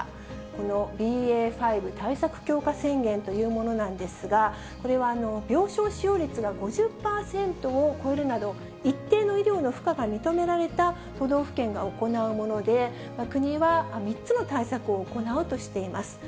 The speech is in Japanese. このＢＡ．５対策強化宣言というものなんですが、これは病床使用率が５０％を超えるなど、一定の医療の負荷が認められた都道府県が行うもので、国は３つの対策を行うとしています。